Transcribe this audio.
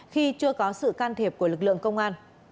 khi chưa có sự can thiệp của lực lượng công an